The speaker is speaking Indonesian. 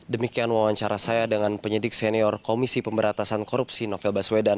demikian wawancara saya dengan penyidik senior komisi pemberatasan korupsi novel baswedan